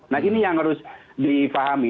nah ini yang harus difahami